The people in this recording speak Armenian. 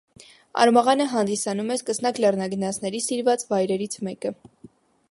Արմաղանը հանդիսանում է սկսնակ լեռնագնացների սիրված վայրերից մեկը։